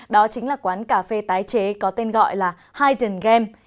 đó chính là quán cà phê tái chế có tên gọi là heidengem